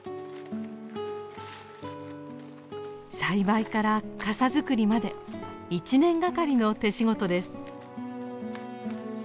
栽培から笠作りまで一年がかりの手仕事です。